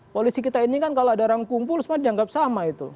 polisi kita ini kan kalau ada orang kumpul semua dianggap sama itu